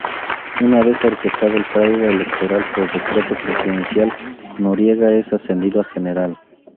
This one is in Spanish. Una vez orquestado el fraude electoral por decreto presidencial, Noriega es ascendido a General.